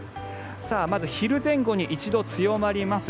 まず昼前後に一度強まります。